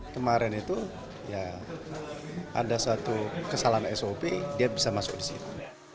kemarin itu ya ada satu kesalahan sop dia bisa masuk di situ